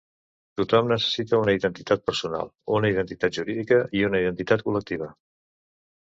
Tothom necessita una identitat personal, una identitat jurídica i una identitat col·lectiva.